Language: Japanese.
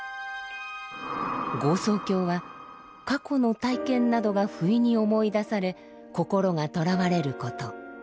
「業相境」は過去の体験などがふいに思い出され心がとらわれること。